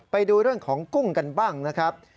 ไปดูเรื่องของกุ้งกันบ้างนะครับ